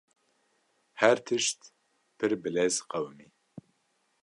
Her tişt pir bilez qewimî.